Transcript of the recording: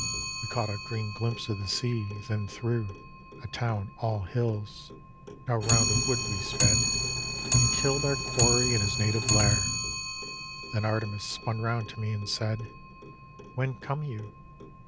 We caught a green glimpse of the sea: then thro' A town all hills ; now round a wood we sped And killed our quarry in his native lair. Then Artemis spun round to me and said, " When come you